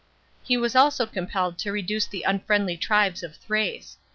He was also compelled to reduce the unfriendly tribes of Thrace.